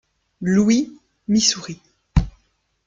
Louis, Missouri.